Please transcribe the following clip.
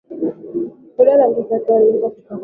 rhoda na watoto wake waliruka kutoka kwenye meli